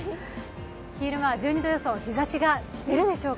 昼間は１２度予想、日ざしが出るでしょうか。